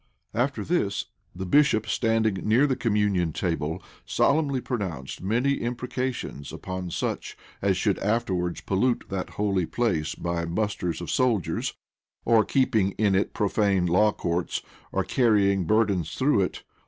After this, the bishop, standing near the communion table solemnly pronounced many imprecations upon such as should afterwards pollute that holy place by musters of soldiers, or keeping in it profane law courts, or carrying burdens through it.